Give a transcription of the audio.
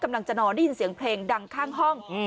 กำลังจะนอนได้ยินเสียงเพลงดังข้างห้อง